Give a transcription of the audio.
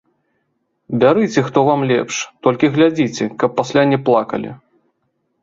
Бярыце, хто вам лепш, толькі глядзіце, каб пасля не плакалі.